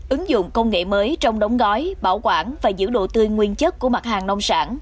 ứng dụng công nghệ mới trong đóng gói bảo quản và giữ độ tươi nguyên chất của mặt hàng nông sản